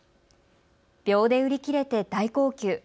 秒で売り切れて大号泣。